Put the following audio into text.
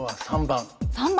３番。